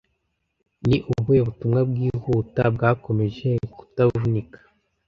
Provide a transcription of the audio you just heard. Ni ubuhe butumwa bwihuta bwakomeje kutavunika